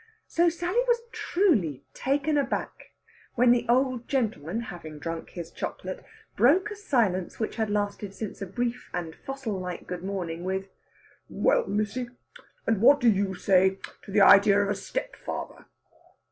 So Sally was truly taken aback when the old gentleman, having drunk his chocolate, broke a silence which had lasted since a brief and fossil like good morning, with, "Well, missy, and what do you say to the idea of a stepfather?"